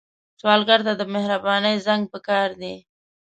سوالګر ته د مهرباني زنګ پکار دی